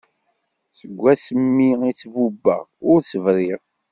Seg ass mi i tt-bubbeɣ ur s-briɣ.